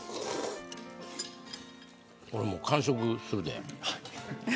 俺、もう完食するで。